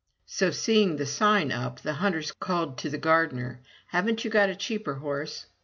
So seeing the sign up, the hunters called to the gardener: "Haven't you got a cheaper horse?"